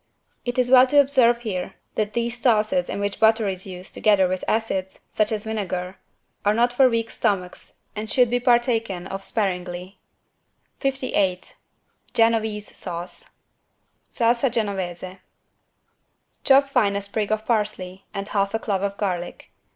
It is well to observe here that these sauces in which butter is used together with acids, such as vinegar, are not for weak stomachs and should be partaken of sparingly. 58 GENOVESE SAUCE (Salsa genovese) Chop fine a sprig of parsley and half a clove of garlic.